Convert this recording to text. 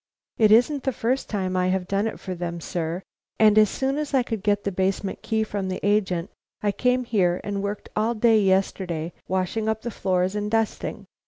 It isn't the first time I have done it for them, sir, and as soon as I could get the basement key from the agent, I came here, and worked all day yesterday, washing up the floors and dusting.